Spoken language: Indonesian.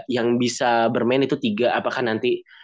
yang bisa bermain itu tiga apakah nanti